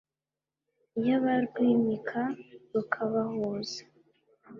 iy’abarwimika rukabahuza